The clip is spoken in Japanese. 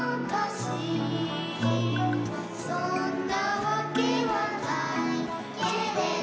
「そんなわけはないけれど」